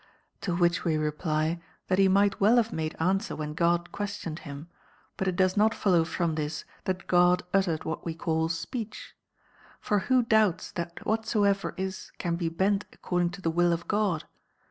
To which we reply The that he miglit well have made answer when God speech of questioned him ; but It docs not follow frc m this that God uttered what we call si)ecch. For who doubts that whatsoever is can be bent accordin;^ to the will of God